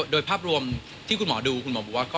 โดยภาพรวมที่คุณหมอดูคุณหมอบอกว่า